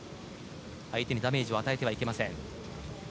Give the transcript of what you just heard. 相手にダメージを与えてはいけません。